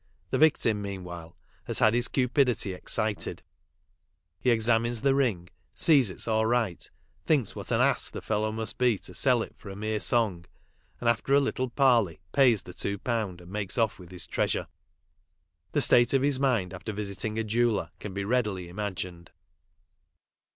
The victim meanwhile has had his cupidity excited, he examines the ring, sees it's all right, thinks what an ass the fellow must be to sell it for a mere song, and after a little parley pays the £2 and makes off with his treasure. The state of his mind after visiting a jeweller may be readily imagined.